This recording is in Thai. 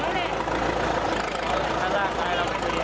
ปีหนึ่งแล้วก็เรียก